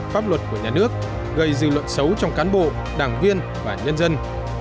pháp luật của nhà nước gây dư luận xấu trong cán bộ đảng viên và nhân dân